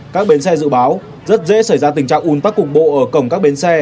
các bến xe dự báo rất dễ xảy ra tình trạng ùn tắc cục bộ ở cổng các bến xe